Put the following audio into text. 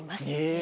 え！